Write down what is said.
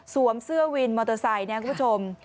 สวมเสื้อวินมอเตอร์ไซด์เนี่ยคุณผู้ชม